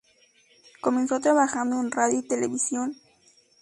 Comenzó trabajando en radio y televisión.